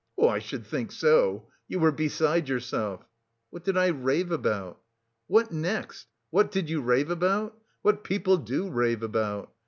"I should think so! You were beside yourself." "What did I rave about?" "What next? What did you rave about? What people do rave about....